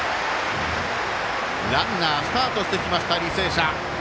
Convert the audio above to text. ランナー、スタートしてきました履正社。